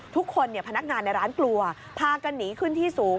ทุกคนพนักงานในร้านกลัวพากันหนีขึ้นที่สูง